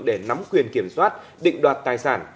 để nắm quyền kiểm soát định đoạt tài sản